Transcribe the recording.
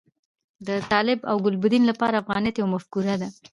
د طالب او ګلبدین لپاره افغانیت یوه مفکوره ده.